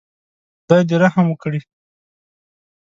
خدای دې رحم وکړي.